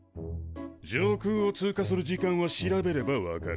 上空を通過する時間は調べれば分かる。